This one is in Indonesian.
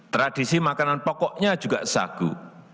tradisi makanan pokoknya juga sagu